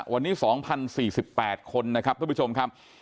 วันนี้๒๐๔๘พวกคน